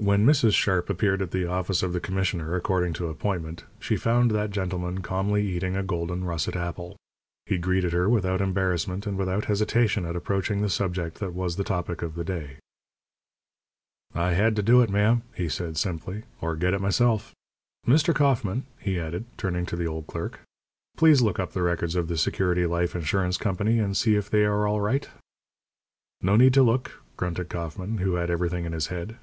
When Mrs. Sharp appeared at the office of the commissioner, according to appointment, she found that gentleman calmly eating a golden russet apple. He greeted her without embarrassment and without hesitation at approaching the subject that was the topic of the day. "I had to do it, ma'am," he said, simply, "or get it myself. Mr. Kauffman," he added, turning to the old clerk, "please look up the records of the Security Life Insurance Company and see if they are all right." "No need to look," grunted Kauffman, who had everything in his head.